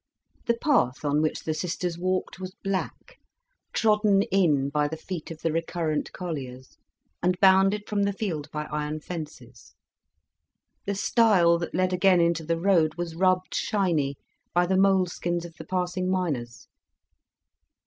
The path on which the sisters walked was black, trodden in by the feet of the recurrent colliers, and bounded from the field by iron fences; the stile that led again into the road was rubbed shiny by the moleskins of the passing miners.